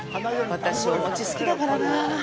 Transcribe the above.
私、お餅、好きだからなぁ。